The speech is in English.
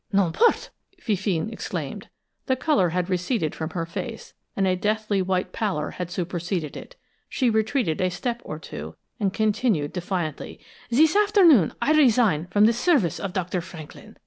"N'importe!" Fifine exclaimed. The color had receded from her face, and a deathly white pallor had superseded it. She retreated a step or two, and continued defiantly: "This afternoon I resign from the service of Dr. Franklin!